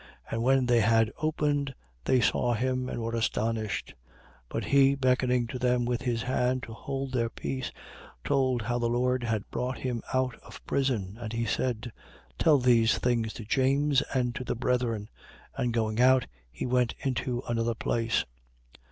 And when they had opened, they saw him and were astonished. 12:17. But he, beckoning to them with his hand to hold their peace, told how the Lord had brought him out of prison. And he said: Tell these things to James and to the brethren. And going out, he went into another place.